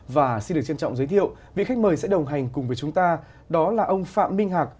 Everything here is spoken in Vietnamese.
và xin được trân trọng giới thiệu vị khách mời sẽ đồng hành cùng với chúng ta đó là ông phạm minh hạc